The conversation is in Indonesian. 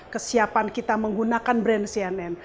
kesiapan kita menggunakan brand cnn